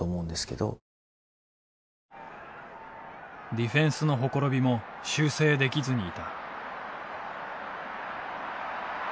ディフェンスの綻びも修正できずにいた。